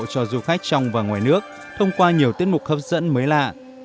cho du khách trong và ngoài nước thông qua nhiều tiết mục hấp dẫn mới lạ